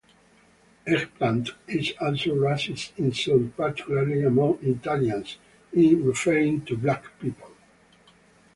"Eggplant" is also a racist insult, particularly among Italians, in referring to black people.